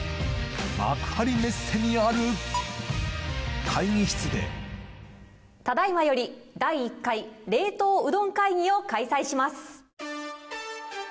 幕張メッセにある会議室でただいまより第一回冷凍うどん会議を開催します。